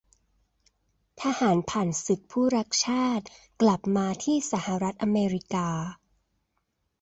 ทหารผ่านศึกผู้รักชาติกลับมาที่สหรัฐอเมริกา